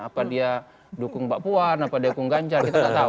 apa dia dukung mbak puan apa dia dukung ganjar kita nggak tahu